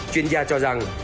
chuyên gia cho rằng